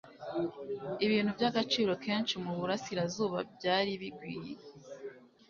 Ibintu by'agaciro kenshi mu burasirazuba byari bigwinye,